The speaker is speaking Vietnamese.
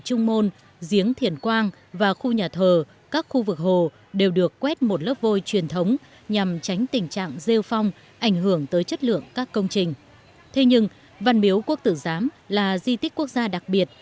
hình ảnh khu di tích văn miếu quốc tử giám